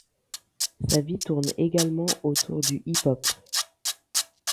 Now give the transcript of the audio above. Sa vie tourne également autour du hip-hop.